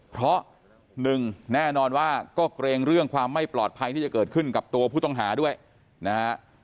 เพราะหนึ่งแน่นอนว่าก็เกรงเรื่องความไม่ปลอดภัยที่จะเกิดขึ้นกับตัวผู้ต้องหาด้วยนะฮะ